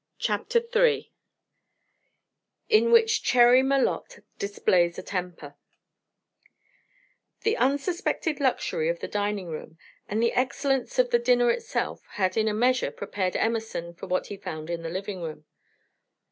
CHAPTER III IN WHICH CHERRY MALOTTE DISPLAYS A TEMPER The unsuspected luxury of the dining room, and the excellence of the dinner itself had in a measure prepared Emerson for what he found in the living room.